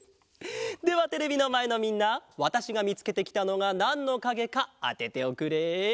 ではテレビのまえのみんなわたしがみつけてきたのがなんのかげかあてておくれ。